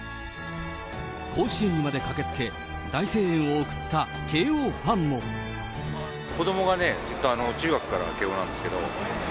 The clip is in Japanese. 甲子園まで駆けつけ、子どもがね、中学から慶応なんですけど。